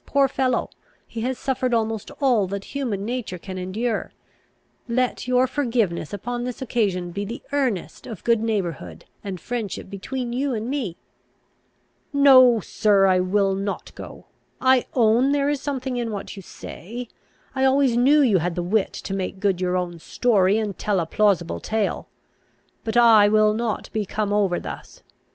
Poor fellow! he has suffered almost all that human nature can endure. Let your forgiveness upon this occasion be the earnest of good neighbourhood and friendship between you and me." "No, sir, I will not go. I own there is something in what you say. I always knew you had the wit to make good your own story, and tell a plausible tale. But I will not be come over thus.